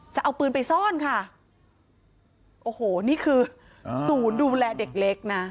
จะเอาปืนไปซ่อนค่ะโอ้โหนี่คือศูนย์ดูแลเด็กเล็กนะ